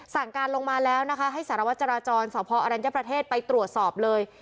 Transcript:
การลงมาแล้วนะคะให้สารวจราจรสพอรัญญประเทศไปตรวจสอบเลย